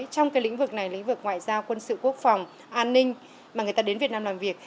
trong cái lĩnh vực này lĩnh vực ngoại giao quân sự quốc phòng an ninh mà người ta đến việt nam làm việc